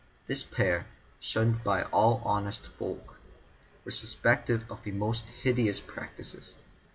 This pair, shunned by all honest folk, were suspected of the most hideous practices.